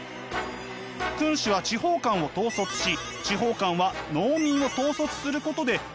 君子は地方官を統率し地方官は農民を統率することで秩序を保つ。